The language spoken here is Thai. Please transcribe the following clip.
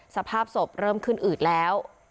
สภาพศพเริ่มขึ้นอืดแล้ว